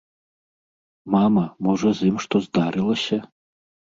Мама, можа, з ім што здарылася?